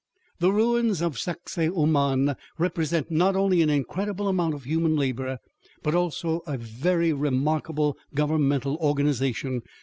The ruins of Sacsahuaman represent not only an incredible amount of human labor, but also a very remarkable governmental organization.